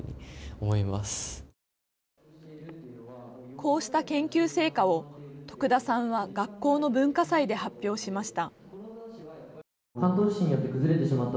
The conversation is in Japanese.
こうした研究成果を徳田さんは学校の文化祭で発表しました。